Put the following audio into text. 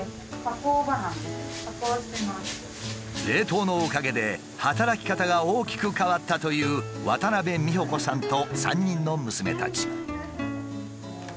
冷凍のおかげで働き方が大きく変わったという渡美保子さんと３人の娘たち。